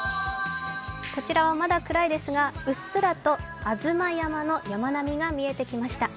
こちらはまだ暗いですが、うっすらと吾妻山の山並みが見えてきました。